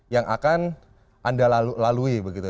yang akan anda lalui begitu